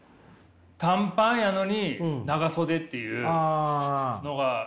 短パンやのに長袖っていうのがいいよね。